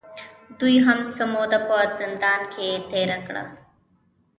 دوې هم څۀ موده پۀ زندان کښې تېره کړه